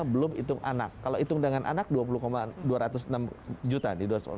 satu ratus delapan puluh satu lima belum hitung anak kalau hitung dengan anak dua puluh dua ratus enam puluh juta